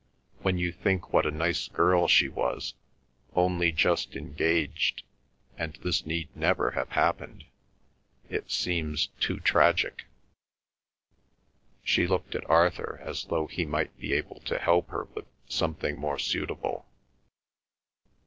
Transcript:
When you think what a nice girl she was—only just engaged, and this need never have happened—it seems too tragic." She looked at Arthur as though he might be able to help her with something more suitable.